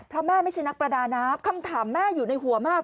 เพราะแม่ไม่ใช่นักประดาน้ำคำถามแม่อยู่ในหัวมาก